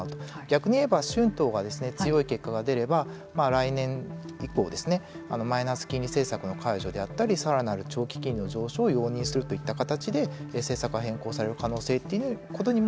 逆に言えば春闘が強い結果が出れば来年以降マイナス金利政策の解除であったりさらなる長期金利の上昇を容認するといった形で政策が変更される可能性ということにも